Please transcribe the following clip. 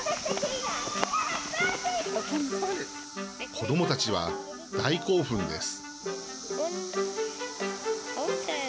子どもたちは、大興奮です。